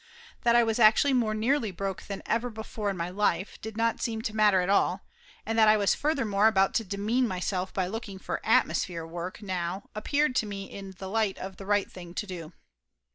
That I was actually more nearly broke than ever before in my life did not seem to matter at all, and that I was furthermore about to demean myself by looking for atmosphere work now appeared to me in the light of the right thing to do.